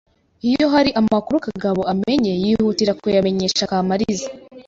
Iyo hari amakuru Kagabo amenye yihutira kuyamenyesha Kamariza